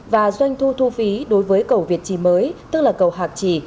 và doanh thu thu phí đối với cầu việt trì mới